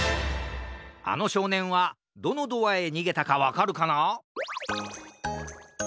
あのしょうねんはどのドアへにげたかわかるかな？